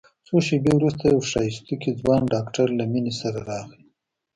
څو شېبې وروسته يو ښايستوکى ځوان ډاکتر له مينې سره راغى.